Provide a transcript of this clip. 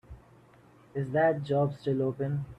Is that job still open?